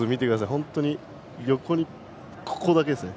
本当に横に、ここだけですね。